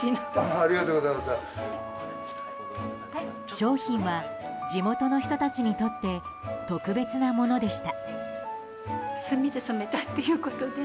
商品は地元の人たちにとって特別なものでした。